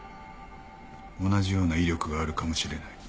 同じような威力があるかもしれない。